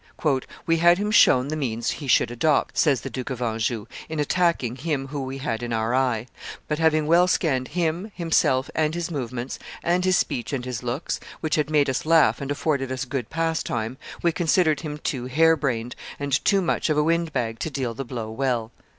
"We had him shown the means he should adopt," says the Duke of Anjou, "in attacking him whom we had in our eye; but, having well scanned him, himself and his movements, and his speech and his looks, which had made us laugh and afforded us good pastime, we considered him too hare brained and too much of a wind bag to deal the blow well."